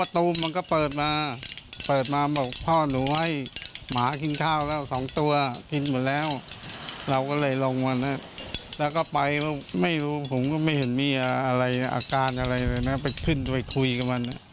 ทำอะไรอะไรแล้วก็มาขึ้นไปคุยกับมัน